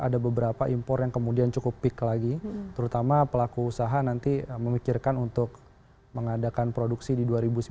ada beberapa impor yang kemudian cukup peak lagi terutama pelaku usaha nanti memikirkan untuk mengadakan produksi di dua ribu sembilan belas